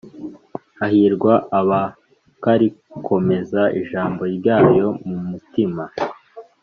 hahirwa abakarikomeza ijambo ryayo mu mitima